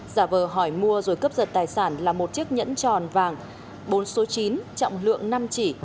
giả vờ hỏi mua rồi cướp giật tài sản là một chiếc nhẫn tròn vàng bốn số chín trọng lượng năm chỉ